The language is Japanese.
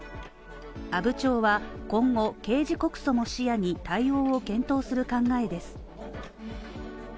阿武町は今後、刑事告訴も視野に対応を検討する考えです。